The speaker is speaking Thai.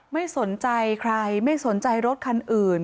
ไม่สนใจใครไม่สนใจรถคันอื่น